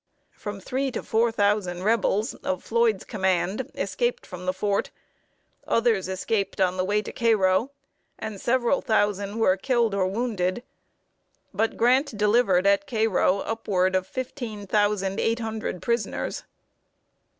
From three to four thousand Rebels, of Floyd's command, escaped from the fort; others escaped on the way to Cairo, and several thousand were killed or wounded; but Grant delivered, at Cairo, upward of fifteen thousand eight hundred prisoners.